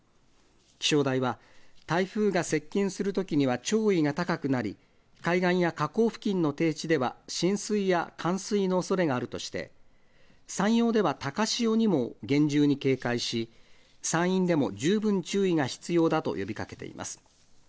気象台は台風が接近するときには潮位が高くなり、海岸や河口付近の低値では浸水や冠水のおそれがあるとして、山陽では高潮にも厳重に警戒し、山陰でも十分注意が必要だと呼びかけています。